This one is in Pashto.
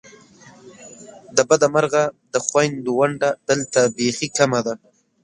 د بده مرغه د خوېندو ونډه دلته بیخې کمه ده !